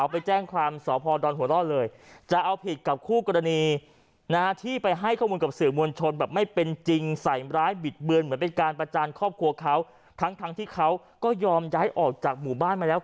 เป็นการประจานครอบครัวเขาทั้งทั้งที่เขาก็ยอมย้ายออกจากหมู่บ้านมาแล้ว